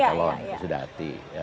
kalau sudah hati